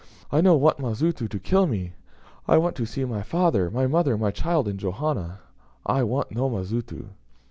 I no want Mazitu to kill me. I want to see my father, my mother, my child, in Johanna. I want no Mazitu."